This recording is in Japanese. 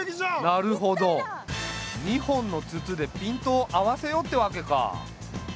なるほど２本の筒でピントを合わせようってわけか。